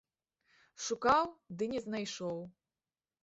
Шукаў, ды не знайшоў.